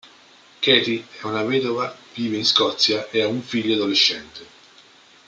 Cathy è una vedova, vive in Scozia e ha un figlio adolescente.